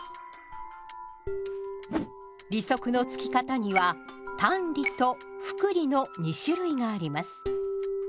利息の付き方には「単利」と「複利」の２種類があります。